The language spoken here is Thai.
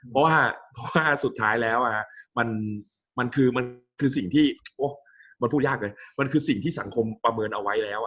เพราะว่าสุดท้ายแล้วมันคือสิ่งที่สังคมประเมินเอาไว้แล้ว